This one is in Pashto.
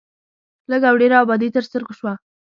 لږ او ډېره ابادي تر سترګو شوه.